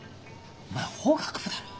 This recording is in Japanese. お前法学部だろ？